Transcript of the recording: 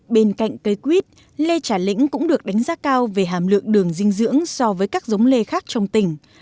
bên cạnh cây quýt lê trả lĩnh cũng được đánh giá cao về hàm lượng đường dinh dưỡng so với các giống lê khác trong tỉnh